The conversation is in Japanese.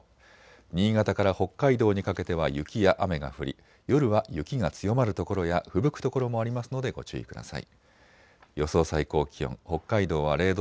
新潟から北海道にかけては雪や雨が降り、夜は雪が強まる所やふぶく所もありますのでご注意ください。